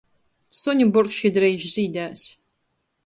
Suņubūrkši dreiž zīdēs.